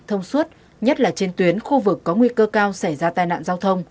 thông suốt nhất là trên tuyến khu vực có nguy cơ cao xảy ra tai nạn giao thông